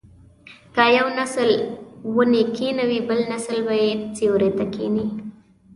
که یو نسل ونې کینوي بل نسل به یې سیوري ته کیني.